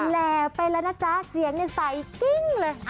แหล่ไปแล้วนะจ๊ะเสียงใสกิ้งเลย